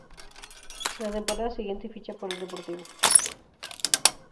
En la temporada siguiente ficha por el Deportivo.